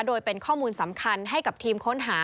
โดยเป็นข้อมูลสำคัญให้กับทีมค้นหา